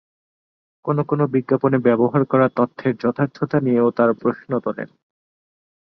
কোনো কোনো বিজ্ঞাপনে ব্যবহার করা তথ্যের যথার্থতা নিয়েও তাঁরা প্রশ্ন তোলেন।